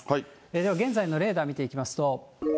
では現在のレーダー見ていきますと。